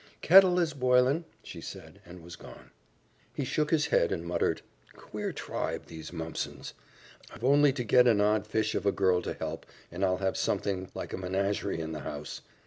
"Kettle is boilin'," she said, and was gone. He shook his head and muttered, "Queer tribe, these Mumpsons! I've only to get an odd fish of a girl to help, and I'll have something like a menagerie in the house."